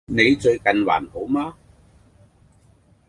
你最近還好嗎